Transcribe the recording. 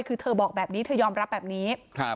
คือเธอบอกแบบนี้เธอยอมรับแบบนี้